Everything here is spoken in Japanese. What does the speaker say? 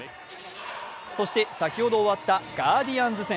そして、先ほど終わったガーディアンズ戦。